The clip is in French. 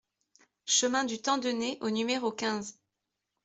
Chemin du Tandenet au numéro quinze